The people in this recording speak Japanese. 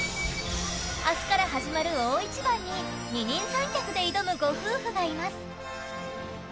明日から始まる大一番に二人三脚で挑むご夫婦がいます。